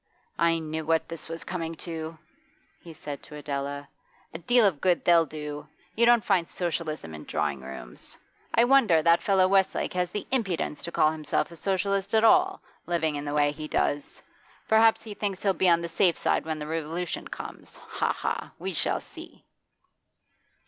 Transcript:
'I knew what this was coming to,' he said to Adela 'A deal of good they'll do! You don't find Socialism in drawing rooms. I wonder that fellow Westlake has the impudence to call himself a Socialist at all, living in the way he does. Perhaps he thinks he'll be on the safe side when the Revolution comes. Ha, ha! We shall see.